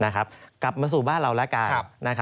กลับมาสู่บ้านเราแล้วกัน